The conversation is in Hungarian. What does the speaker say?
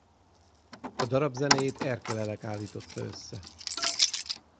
A darab zenéjét Erkel Elek állította össze.